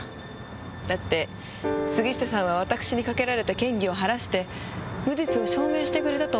だって杉下さんは私にかけられた嫌疑を晴らして無実を証明してくれたと思っておりましたのに。